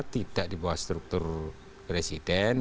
tidak di bawah struktur presiden